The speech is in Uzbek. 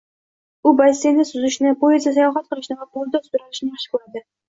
U basseynda suzishni, poyezdda sayohat qilishni va polda sudralishni yaxshi ko‘radi